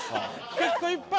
結構いっぱい。